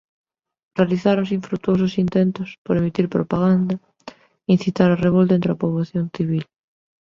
Realizáronse infrutuosos intentos por emitir propaganda e incitar á revolta entre a poboación civil.